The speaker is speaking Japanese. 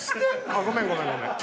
あっごめんごめんごめん。